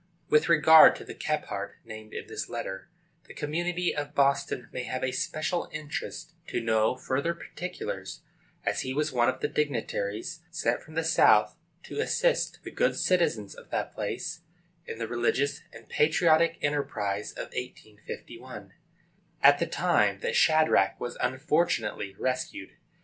With regard to the Kephart named in this letter the community of Boston may have a special interest to know further particulars, as he was one of the dignitaries sent from the South to assist the good citizens of that place in the religious and patriotic enterprise of 1851, at the time that Shadrach was unfortunately rescued.